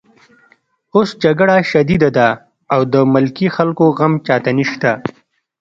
اوس جګړه شدیده ده او د ملکي خلکو غم چاته نشته